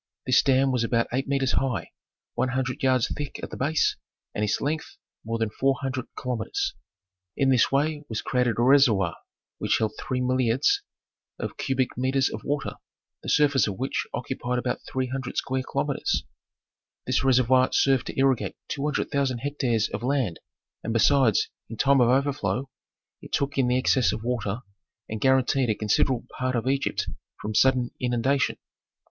This dam was about eight metres high, one hundred yards thick at the base, and its length more than four hundred kilometres. In this way was created a reservoir which held three milliards of cubic metres of water, the surface of which occupied about three hundred square kilometres. This reservoir served to irrigate two hundred thousand hectares of land, and besides, in time of overflow, it took in the excess of water and guaranteed a considerable part of Egypt from sudden inundation.